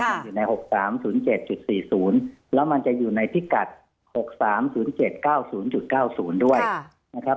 มันอยู่ใน๖๓๐๗๔๐แล้วมันจะอยู่ในพิกัด๖๓๐๗๙๐๙๐ด้วยนะครับ